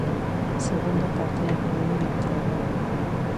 Segunda parte incluye la entrada a Azerbaiyán y salida del Azerbaiyán.